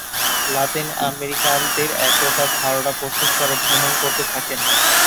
লাতিন আমেরিকানদের একতা ধারণা পোষন করে ভ্রমণ করতে থাকেন।